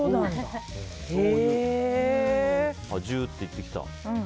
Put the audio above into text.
ジューっていってきた。